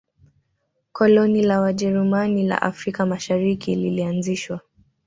koloni la wajerumani la afrika mashariki lilianzishwa